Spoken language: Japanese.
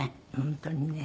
本当にね。